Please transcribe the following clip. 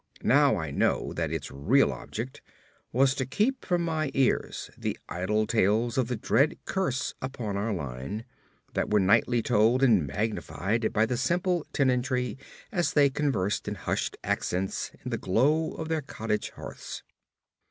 Now I know that its real object was to keep from my ears the idle tales of the dread curse upon our line, that were nightly told and magnified by the simple tenantry as they conversed in hushed accents in the glow of their cottage hearths.